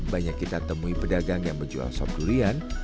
banyak kita temui pedagang yang menjual sop durian